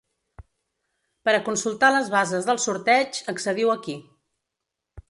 Per a consultar les bases del sorteig, accediu aquí.